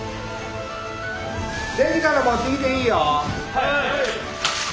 はい。